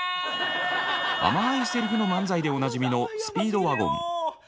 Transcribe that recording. あまいセリフの漫才でおなじみのスピードワゴン。